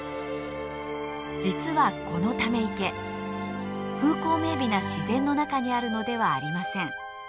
実はこのため池風光明美な自然の中にあるのではありません。